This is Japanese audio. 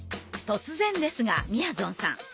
突然ですがみやぞんさん